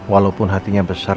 walaupun hatinya besar